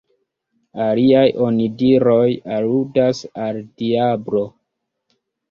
Aliaj onidiroj aludas al diablo.